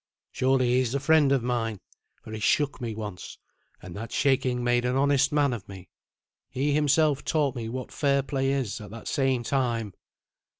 Surely he is a friend of mine, for he shook me once, and that shaking made an honest man of me. He himself taught me what fair play is, at that same time."